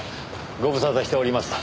ご無沙汰しております。